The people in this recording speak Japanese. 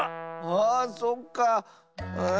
あそっかあ。